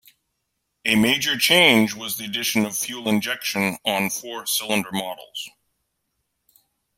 A major change was the addition of fuel injection on four-cylinder models.